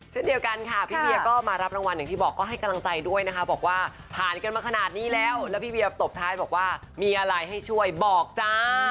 เช่นเดียวกันค่ะพี่เวียก็มารับรางวัลอย่างที่บอกก็ให้กำลังใจด้วยนะคะบอกว่าผ่านกันมาขนาดนี้แล้วแล้วพี่เวียตบท้ายบอกว่ามีอะไรให้ช่วยบอกจ้า